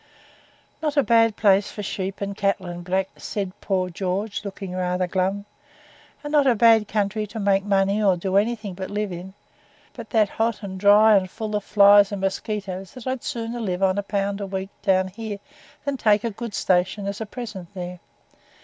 'Not a bad place for sheep and cattle and blacks,' said poor George, looking rather glum; 'and not a bad country to make money or do anything but live in, but that hot and dry and full of flies and mosquitoes that I'd sooner live on a pound a week down here than take a good station as a present there.